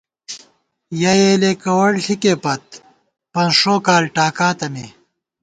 یَہ یېلے کوَڑ ݪِکے پت پنڅ ݭو کال ٹاکاتہ مے